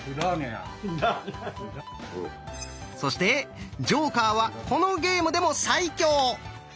そしてジョーカーはこのゲームでも最強。